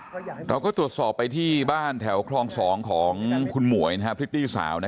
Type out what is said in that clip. เราก็ตรวจสอบไปที่บ้านแถวคลอง๒ของคุณหมวยพริตตี้สาว